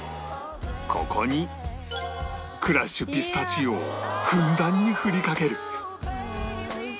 ここにクラッシュピスタチオをふんだんに振りかける